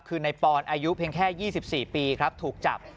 คือในปอนอายุเพียงแค่๒๔ปีครับถูกจับ